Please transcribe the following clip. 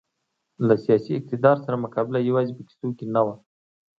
له سیاسي اقتدار سره مقابله یوازې په کیسو کې نه وه.